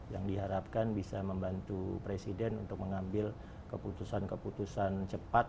yang diharapkan bisa membantu presiden untuk mengambil keputusan keputusan cepat